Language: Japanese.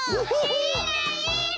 いいねいいね！